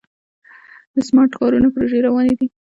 د سمارټ ښارونو پروژې روانې دي.